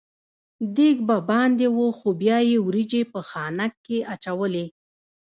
دېګ به باندې و خو بیا یې وریجې په خانک کې اچولې.